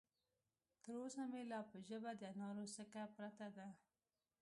تر اوسه مې لا په ژبه د انارو څکه پرته ده.